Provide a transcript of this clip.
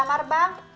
ada di kamar bang